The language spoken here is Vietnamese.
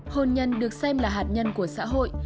hôn nhân được xem là hạt nhân của xã hội